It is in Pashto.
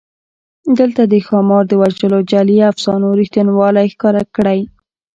دلته د ښامار د وژلو جعلي افسانو رښتینوالی ښکاره کړی.